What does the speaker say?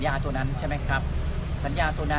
ไม่ใช่นี่คือบ้านของคนที่เคยดื่มอยู่หรือเปล่า